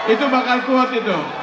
itu bakal quote itu